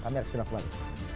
kami harus berbicara kembali